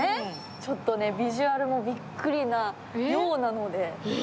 ちょっとビジュアルもびっくりなようなので。